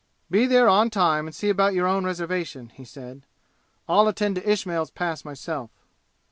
"Be there on time and see about your own reservation," he said. "I'll attend to Ismail's pass myself."